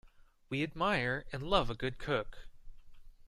We admire and love a good cook.